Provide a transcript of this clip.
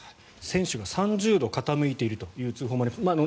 船首が３０度傾いているという通報もありました。